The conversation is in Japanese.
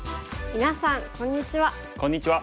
みなさんこんにちは。